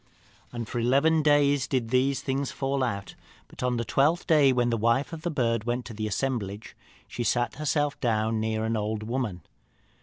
"And for eleven days did these things so fall out. But on the twelfth day, when the wife of the bird went to the assemblage, she sat herself down near an old woman.